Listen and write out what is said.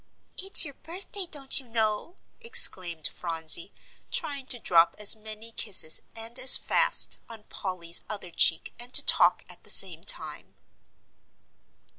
"It's your birthday, don't you know!" exclaimed Phronsie, trying to drop as many kisses and as fast, on Polly's other cheek, and to talk at the same time.